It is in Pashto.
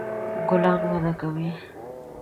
ګلان وده کوي